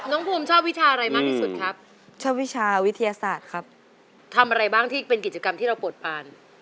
น้องภูมิชอบวิชาอะไรมากที่สุดครับชอบวิชาวิทยาศาสตร์ครับทำอะไรบ้างที่เป็นกิจกรรมที่เราปวดปาน